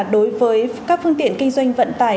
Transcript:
đối với các phương tiện kinh doanh vận tải